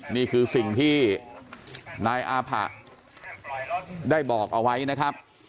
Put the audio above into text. นี่คือสิ่งที่นายอาผะได้บอกเอาไว้นะครับ